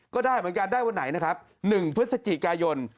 ก็ได้เหมือนกันได้วันไหนนะครับ๑พฤศจิกายน